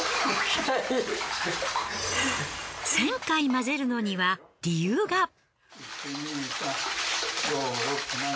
１，０００回混ぜるのには理由が。